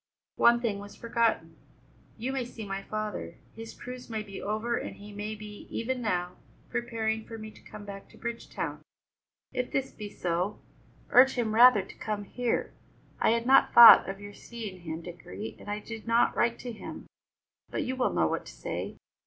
"One thing was forgotten: You may see my father; his cruise may be over and he may be, even now, preparing for me to come back to Bridgetown. If this be so, urge him rather to come here. I had not thought of your seeing him, Dickory, and I did not write to him, but you will know what to say.